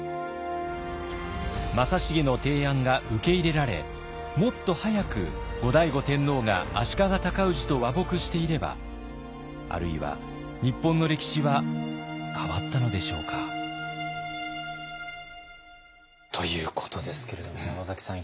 正成の提案が受け入れられもっと早く後醍醐天皇が足利尊氏と和睦していればあるいは日本の歴史は変わったのでしょうか？ということですけれども山崎さん